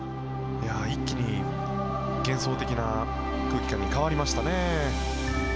一気に幻想的な空気感に変わりましたね。